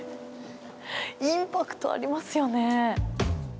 インパクトありますよね。